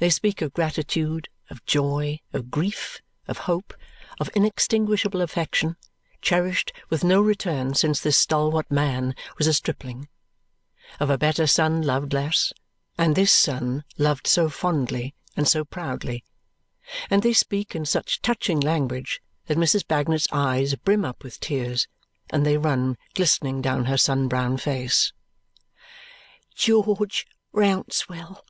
They speak of gratitude, of joy, of grief, of hope; of inextinguishable affection, cherished with no return since this stalwart man was a stripling; of a better son loved less, and this son loved so fondly and so proudly; and they speak in such touching language that Mrs. Bagnet's eyes brim up with tears and they run glistening down her sun brown face. "George Rouncewell!